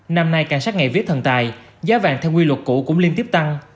năm nay cảnh sát ngày vía thần tài giá vàng theo quy luật cũ cũng liên tiếp tăng